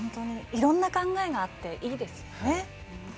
いろんな考えがあっていいですよね。